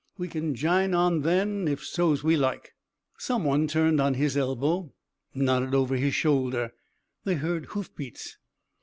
We kin jine on then, if so's we like." Someone turned on his elbow, nodded over shoulder. They heard hoof beats.